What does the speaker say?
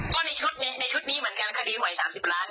ก็ในชุดไงในชุดนี้เหมือนกันคดีหวย๓๐ล้าน